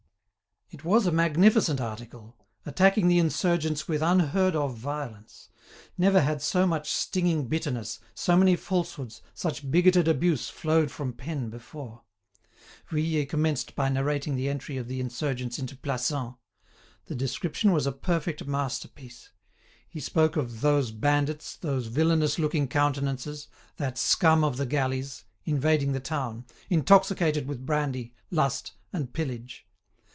It was a magnificent article, attacking the insurgents with unheard of violence. Never had so much stinging bitterness, so many falsehoods, such bigoted abuse flowed from pen before. Vuillet commenced by narrating the entry of the insurgents into Plassans. The description was a perfect masterpiece. He spoke of "those bandits, those villainous looking countenances, that scum of the galleys," invading the town, "intoxicated with brandy, lust, and pillage."